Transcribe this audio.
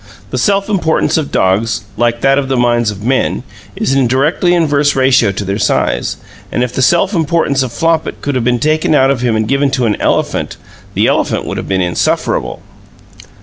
The self importance of dogs, like that of the minds of men, is in directly inverse ratio to their size; and if the self importance of Flopit could have been taken out of him and given to an elephant, that elephant would have been insufferable.